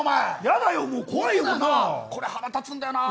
これ腹立つんだよな。